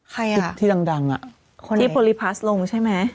ใครอ่ะที่ดังอ่ะที่โปรลีพร้าสลงใช่ไหม